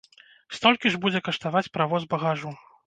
Столькі ж будзе каштаваць правоз багажу.